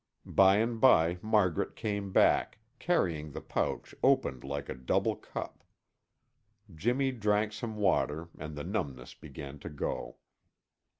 By and by Margaret came back, carrying the pouch opened like a double cup. Jimmy drank some water and the numbness began to go.